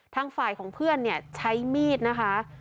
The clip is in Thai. ทางฝ่ายของเพื่อนเนี่ยใช้มีดนะคะ